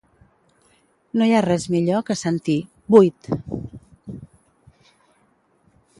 No hi ha res millor que sentir "Vuit".